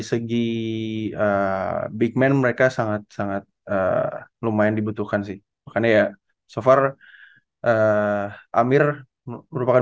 segi big man mereka sangat sangat lumayan dibutuhkan sih makanya ya so far amir merupakan